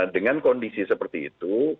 dengan kondisi seperti itu